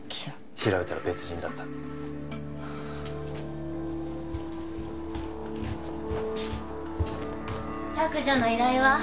調べたら別人だったはあ削除の依頼は？